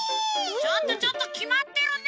ちょっとちょっときまってるね！